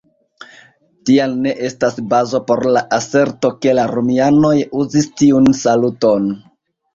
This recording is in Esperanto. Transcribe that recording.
Tial ne estas bazo por la aserto ke la romianoj uzis tiun saluton.